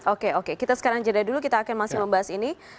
oke oke kita sekarang jeda dulu kita akan masih membahas ini